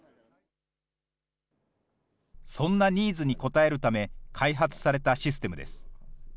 そんなニーズに応えるため、開発されたシステムです。